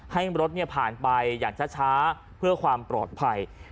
ให้รถผ่านไปอย่างช้าเพื่อความปลอดภัย